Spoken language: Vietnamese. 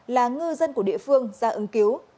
là ngư dân của địa phương ra ứng cứu